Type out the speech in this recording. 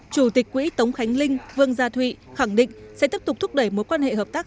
chủ tịch quỹ tống khánh linh vương gia thụy khẳng định sẽ tiếp tục thúc đẩy mối quan hệ hợp tác